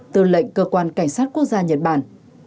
tư lệnh cơ quan cảnh sát quốc gia nhật bản